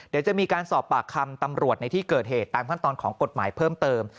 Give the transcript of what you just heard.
เดี๋ยวจะมีการสอบปากคำตำรวจในที่เกิดเหตุตามขั้นตอนของกฎหมายเพิ่มเติม